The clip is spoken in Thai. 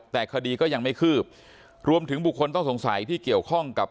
แต่คดีก็ยังไม่คืบรวมถึงบุคคลต้องสงสัยที่เกี่ยวข้องกับ